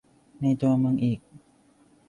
ในตัวเมืองอีก